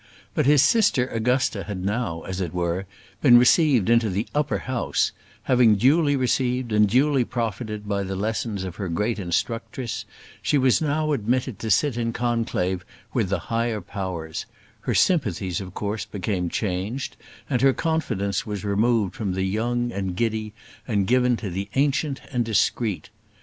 But his sister Augusta had now, as it were, been received into the upper house; having duly received, and duly profited by the lessons of her great instructress, she was now admitted to sit in conclave with the higher powers: her sympathies, of course, became changed, and her confidence was removed from the young and giddy and given to the ancient and discreet.